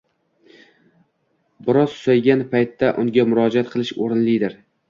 bir oz susaygan paytda unga murojaat qilish o‘rinlidir.